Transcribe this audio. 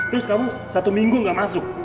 terus kamu satu minggu gak masuk